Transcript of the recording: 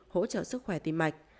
hỗ trợ sức khỏe tim mạch